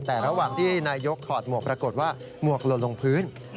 แต่ระหว่างที่นายกถอดหมวกปรากฏว่าหมวกหล่นลงพื้น